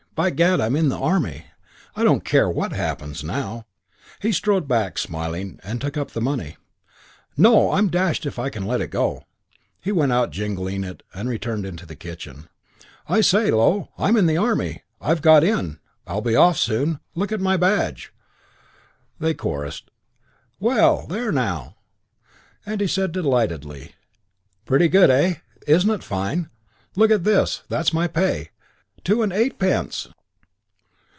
By gad, I'm in the Army. I don't care what happens now." He strode back, smiling, and took up the money. "No, I'm dashed if I can let it go!" He went out jingling it and turned into the kitchen. "I say, High, Low, I'm in the Army! I've got in. I'll be off soon. Look at my badge!" They chorused, "Well, there now!" He said delightedly, "Pretty good, eh? Isn't it fine! Look at this that's my pay. Two and eightpence!"